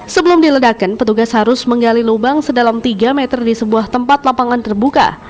sebelum diledakan petugas harus menggali lubang sedalam tiga meter di sebuah tempat lapangan terbuka